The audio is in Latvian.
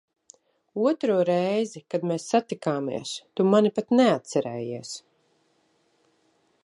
Otro reizi, kad mēs satikāmies, tu mani pat neatcerējies.